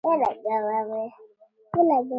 بوټونه که نوې وي، ډېر خوښي راولي.